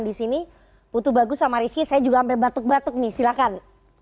disini putu bagus sama rizky saya juga mbak batuk batuk nih silakan